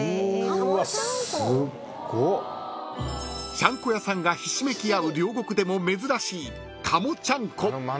［ちゃんこ屋さんがひしめき合う両国でも珍しい］